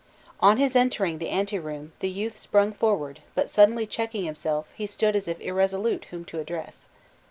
On his entering the ante room, the youth sprung forward, but suddenly checking himself, he stood as if irresolute whom to address.